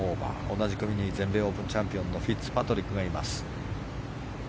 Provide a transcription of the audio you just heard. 同じ組に全米オープンチャンピオンのフィッツパトリックがいます。